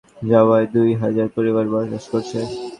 এখন নদীতে বসতভিটা বিলীন হয়ে যাওয়ায় দুই হাজার পরিবার বসবাস করছে।